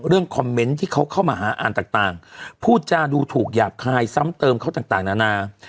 คอมเมนต์ที่เขาเข้ามาหาอ่านต่างพูดจาดูถูกหยาบคายซ้ำเติมเขาต่างนานา